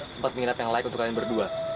tempat menginap yang layak untuk kalian berdua